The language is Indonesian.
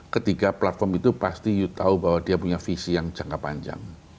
ketiga platform itu pasti you tahu bahwa dia punya visi yang jangka panjang